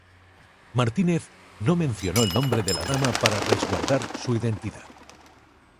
Martínez no mencionó el nombre de la dama para resguardar su identidad.